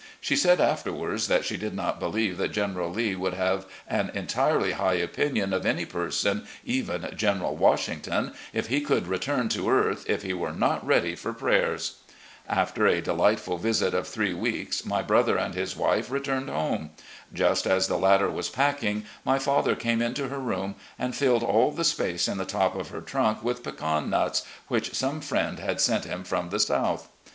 She said afterward that she did not believe that General Lee would have an entirely high opinion of any person, even General Washington, if he could return to earth, if he were not ready for prayers ! After a delightful visit of three weeks my brother and his wife returned MRS. R. E. LEE 331 home. Just as the latter was packing, my father came into her room and filled all the space in the top of her trunk with pecan nuts, which some friend had sent him from the South.